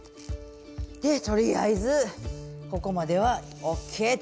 でとりあえずここまではＯＫと。